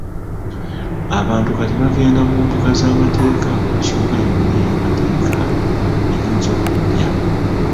Abantu kati bagenda mu mbuga z'amateeka ku nsonga yonna ey'amateeka eyinza okujja.